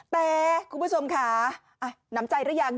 แต่คุณผู้ชมค่ะน้ำใจหรือยัง